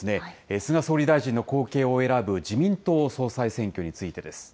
菅総理大臣の後継を選ぶ自民党総裁選挙についてです。